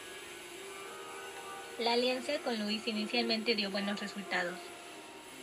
La alianza con Luis inicialmente dio buenos resultados.